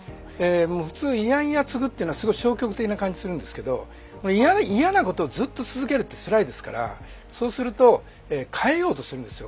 普通嫌々継ぐっていうのはすごい消極的な感じするんですけど嫌なことをずっと続けるってつらいですからそうすると変えようとするんですよ